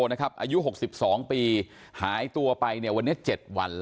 อายุ๖๒ปีหายตัวไปวันนี้๗วันแล้ว